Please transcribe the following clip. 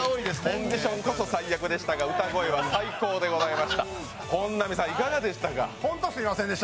コンディションこそ最悪でしたが歌声は最高でございました。